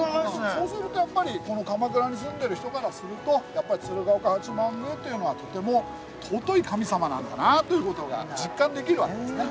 そうするとやっぱりこの鎌倉に住んでる人からするとやっぱり鶴岡八幡宮っていうのはとても尊い神様なんだなという事が実感できるわけですね。